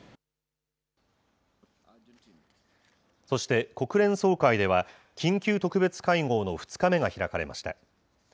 そして、国連総会では、緊急特別会合の２日目が開かれました。